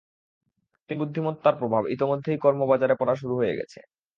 কৃত্রিম বুদ্ধিমত্তার প্রভাব ইতোমধ্যেই কর্মবাজারে পড়া শুরু হয়ে গেছে।